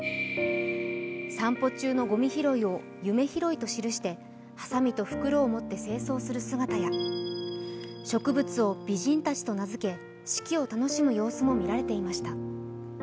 散歩中のごみ拾いを「夢拾い」と記してはさみと袋を持って清掃する姿や植物を「美人達」と名付け四季を楽しむ様子も見られていました。